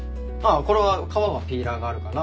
これは皮はピーラーがあるから。